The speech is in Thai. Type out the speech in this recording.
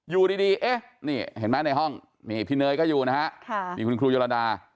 อยู่ดีเอ๊ะนี่เห็นไหมในห้องนี่พี่เนยก็อยู่นะฮะนี่คุณครูโยดา